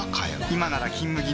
今なら「金麦」